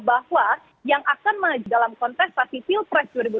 bahwa yang akan maju dalam konteks pasifil pres dua ribu dua puluh empat